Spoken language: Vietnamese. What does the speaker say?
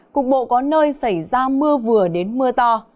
cục bộ có nơi xảy ra mưa vừa đến mưa to